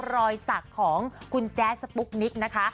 รอยสักของคุณแจ๊สสปุ๊กนิกนะคะ